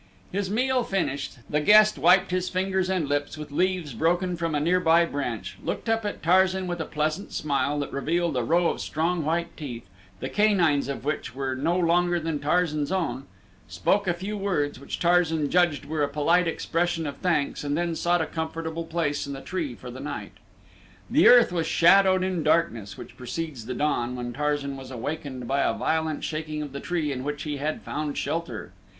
His meal finished, the guest wiped his fingers and lips with leaves broken from a nearby branch, looked up at Tarzan with a pleasant smile that revealed a row of strong white teeth, the canines of which were no longer than Tarzan's own, spoke a few words which Tarzan judged were a polite expression of thanks and then sought a comfortable place in the tree for the night. The earth was shadowed in the darkness which precedes the dawn when Tarzan was awakened by a violent shaking of the tree in which he had found shelter.